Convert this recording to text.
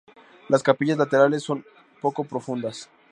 Las capillas laterales son poco profundas.